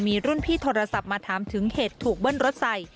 มีรุ่นพี่โทรศัพท์มาถามถึงเหตุถูกเบิ้ลรถใส่